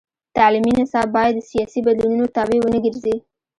تعلیمي نصاب باید د سیاسي بدلونونو تابع ونه ګرځي.